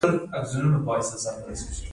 د ابجوش ممیز صادراتي ارزښت لري.